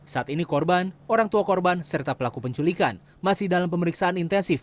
saat ini korban orang tua korban serta pelaku penculikan masih dalam pemeriksaan intensif